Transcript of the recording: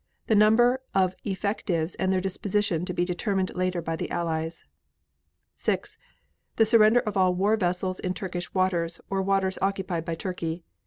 The number of effectives and their disposition to be determined later by the Allies. 6. The surrender of all war vessels in Turkish waters or waters occupied by Turkey.